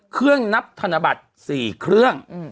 เครื่องนับธนบัตร๔เครื่อง